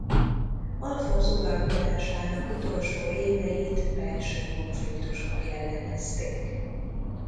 Alfonz uralkodásának utolsó éveit belső konfliktusok jellemezték.